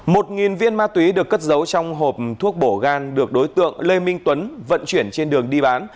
một viên ma túy được cất giấu trong hộp thuốc bổ gan được đối tượng lê minh tuấn vận chuyển trên đường đi bán